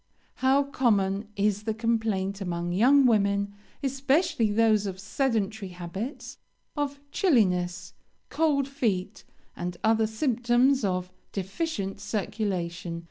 How common is the complaint among young women, especially those of sedentary habits, of chilliness, cold feet, and other symptoms of deficient circulation!